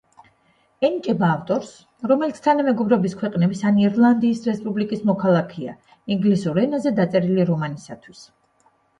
ენიჭება ავტორს, რომელიც თანამეგობრობის ქვეყნების ან ირლანდიის რესპუბლიკის მოქალაქეა, ინგლისურ ენაზე დაწერილი რომანისთვის.